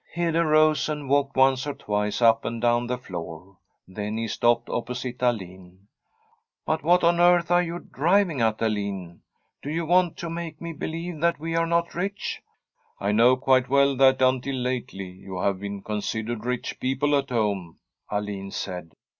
Hede rose, and walked once or twice up and down the floor. Then he stopped opposite Alin. ' But what on earth are you driving at, Alin ? Do you want to make me believe that we are not rich ?'' I know quite well that, until lately, you have been considered rich people at home,' Alin said.